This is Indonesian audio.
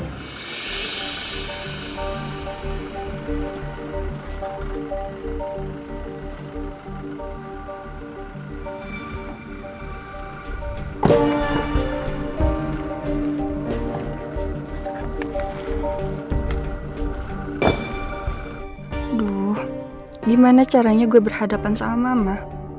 aduh gimana caranya gue berhadapan sama mama